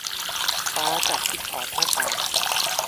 ฟ้าจับที่ขอบหน้าต่าง